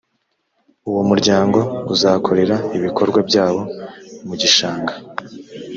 uwo muryango uzakorera ibikorwa byawo mu gishanga